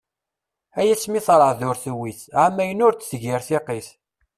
Ay asmi terɛed ur tewwit, ɛamayen ur d-tegir tiqqit.